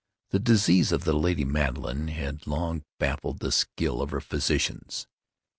The disease of the lady Madeline had long baffled the skill of her physicians.